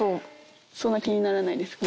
そんな気にならないですか？